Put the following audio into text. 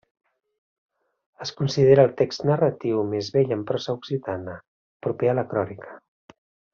Es considera el text narratiu més vell en prosa occitana, proper a la crònica.